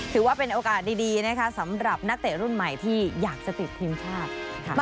ถือว่าเป็นโอกาสดีนะคะสำหรับนักเตะรุ่นใหม่ที่อยากจะติดทีมชาติค่ะ